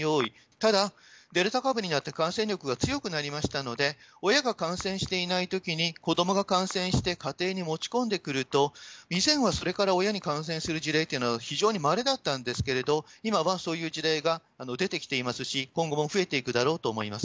ただ、デルタ株になって感染力が強くなりましたので、親が感染していないときに子どもが感染して家庭に持ち込んでくると、以前はそれから親に感染する事例っていうのは非常にまれだったんですけれども、今はそういう事例が出てきていますし、今後も増えていくだろうと思います。